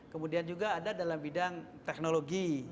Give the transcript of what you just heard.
kemudian juga ada dalam bidang teknologi